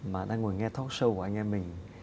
mà đang ngồi nghe talk show của anh em mình